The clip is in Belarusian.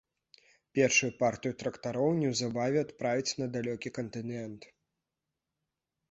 Першую партыю трактароў неўзабаве адправяць на далёкі кантынент.